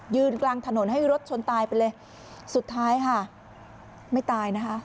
กลางถนนให้รถชนตายไปเลยสุดท้ายค่ะไม่ตายนะคะ